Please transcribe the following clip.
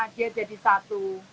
dia jadi satu